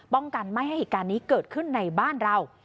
กันไม่ให้เหตุการณ์นี้เกิดขึ้นในบ้านเรา